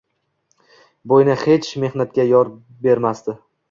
Bo`yni hech mehnatga yor bermasdi